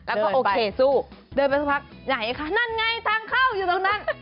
แล้วก็โอเคสู้เดินไปสักพักไหนคะนั่นไงทางเข้าอยู่ตรงนั้น